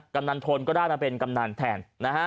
กำนันทนก็ได้มาเป็นกำนันแทนนะฮะ